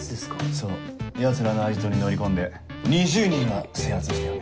そうヤツらのアジトに乗り込んで２０人は制圧したよね。